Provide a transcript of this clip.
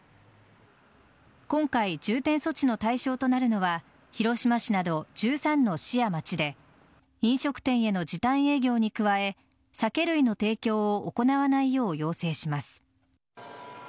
今回、重点措置の対象となるのは広島市など１３の市や町で飲食店への時短営業に加え酒類の提供を行わないよう要請します。